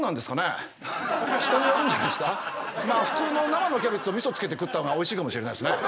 まあ普通の生のキャベツをみそつけて食った方がおいしいかもしれないですね。